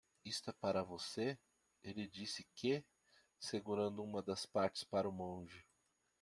"Isto é para você?" ele disse que? segurando uma das partes para o monge.